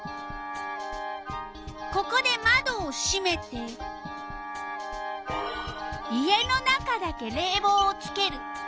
ここでまどをしめて家の中だけれいぼうをつける。